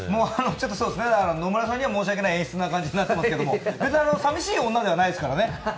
野村さんには申し訳ない演出になってますけど別にさみしい女ではないですからね。